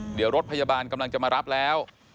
เดี๋ยวรถพยาบาลกำลังจะมารับแล้ว